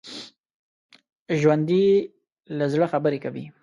ژوندي له زړه خبرې کوي